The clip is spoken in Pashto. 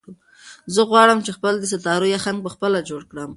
زه غواړم چې خپل د ستارو یخن په خپله جوړ کړم.